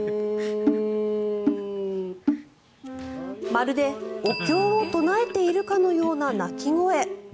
まるでお経を唱えているかのような鳴き声。